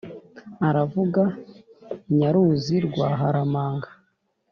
Aravuga Nyaruzi rwa Haramanga